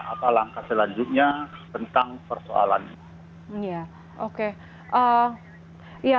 apa langkah selanjutnya tentang persoalan ini